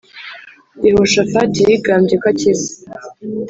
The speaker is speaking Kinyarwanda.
yehoshefati yigambye ko akize